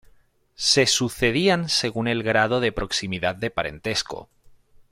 Se sucedían según el grado de proximidad de parentesco.